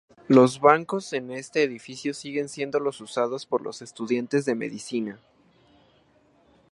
Los bancos en este edificio siguen siendo los usados por los estudiantes de medicina.